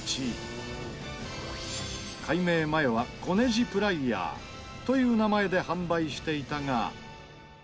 改名前は小ネジプライヤーという名前で販売していたが。